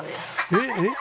えっえっ？